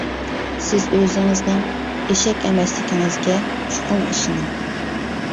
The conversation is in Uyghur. سىز ئۆزىڭىزنىڭ ئېشەك ئەمەسلىكىڭىزگە چوقۇم ئىشىنىڭ!